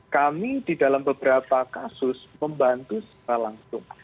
kami di dalam beberapa kasus membantu secara langsung